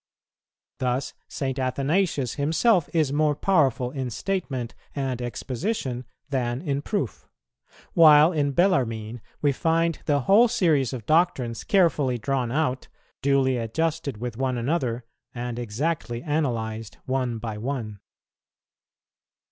Thus St. Athanasius himself is more powerful in statement and exposition than in proof; while in Bellarmine we find the whole series of doctrines carefully drawn out, duly adjusted with one another, and exactly analyzed one by one.